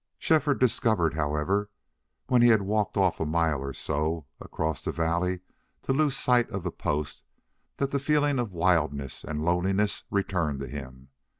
Shefford discovered, however, when he had walked off a mile or so across the valley to lose sight of the post, that the feeling of wildness and loneliness returned to him.